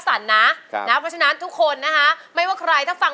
เพลงนี้อยู่ในอาราบัมชุดแรกของคุณแจ็คเลยนะครับ